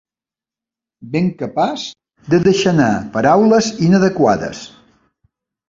Ben capaç de deixar anar paraules inadequades.